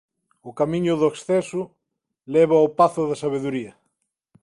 O camiño do exceso leva ao pazo da sabedoría.